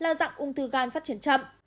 là dạng ung thư gan phát triển chậm